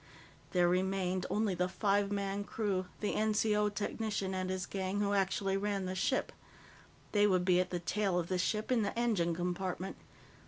There remained only the five man crew, the NCO technician and his gang, who actually ran the ship. They would be at the tail of the ship, in the engine compartment.